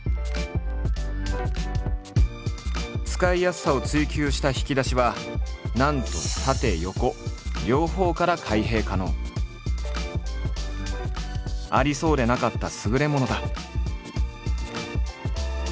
使いやすさを追求した引き出しはなんとありそうでなかった優れものだ。